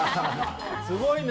すごいね。